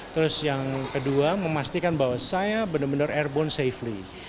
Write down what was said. terus yang kedua memastikan bahwa saya benar benar airborne safely